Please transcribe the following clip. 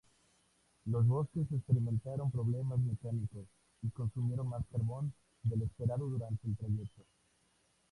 Los buques experimentaron problemas mecánicos y consumieron más carbón del esperado durante el trayecto.